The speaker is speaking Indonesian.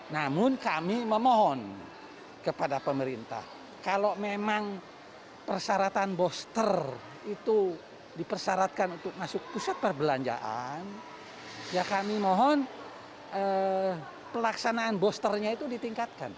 namun kami memohon kepada pemerintah kalau memang persyaratan booster itu dipersyaratkan untuk masuk pusat perbelanjaan ya kami mohon pelaksanaan boosternya itu ditingkatkan